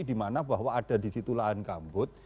dimana bahwa ada di situ lahan gambut